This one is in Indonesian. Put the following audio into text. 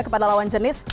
kepada lawan jenis